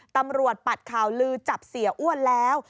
ปัดข่าวลือจับเสียอ้วนแล้ว